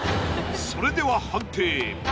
それでは判定！